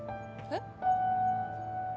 えっ？